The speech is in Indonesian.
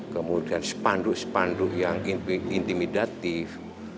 kemudian spanduk spanduk yang intimidatif